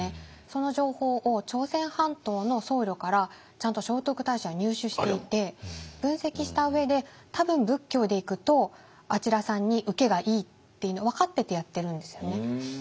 その情報を朝鮮半島の僧侶からちゃんと聖徳太子は入手していて分析した上で多分仏教でいくとあちらさんにウケがいいっていうの分かっててやってるんですよね。